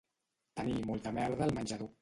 Tenir molta merda al menjador